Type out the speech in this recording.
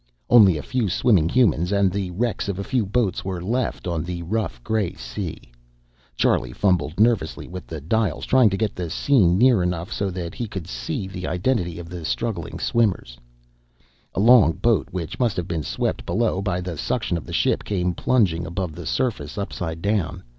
Only a few swimming humans, and the wrecks of a few boats, were left on the rough gray sea. Charlie fumbled nervously with his dials, trying to get the scene near enough so that we could see the identity of the struggling swimmers. A long boat, which must have been swept below by the suction of the ship, came plunging above the surface, upside down.